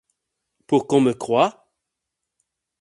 Pour qu'on me croie!